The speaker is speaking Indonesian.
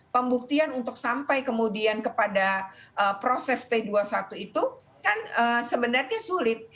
pembuktian untuk sampai kemudian kepada proses p dua puluh satu itu kan sebenarnya sulit